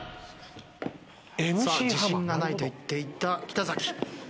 自信がないと言っていた北崎。